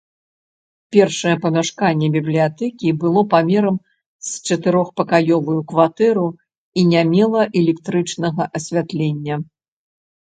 Першае памяшканне бібліятэкі было памерам з чатырохпакаёвую кватэру і не мела электрычнага асвятлення.